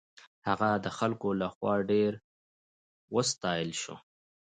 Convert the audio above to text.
هغه د خلکو له خوا ډېر وستایل شو.